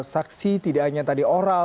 saksi tidak hanya tadi oral